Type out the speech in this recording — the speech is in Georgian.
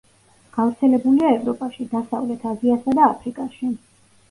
გავრცელებულია ევროპაში, დასავლეთ აზიასა და აფრიკაში.